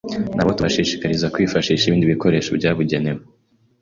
na bo tubashishikariza kwifashisha ibindi bikoresho byabugenewe